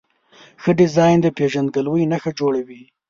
ښه ډیزاین د پېژندګلوۍ نښه جوړوي.